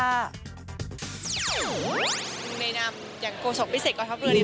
ดังนั้นอย่างโกศกพิเศษก่อนครอบครัวนี้